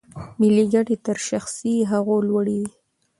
ملي ګټې تر شخصي هغو لوړې دي.